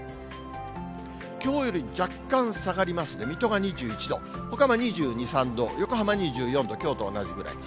きょうより若干下がります、水戸が２１度、ほか２２、３度、横浜２４度、きょうと同じぐらい。